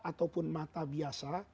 ataupun mata biasa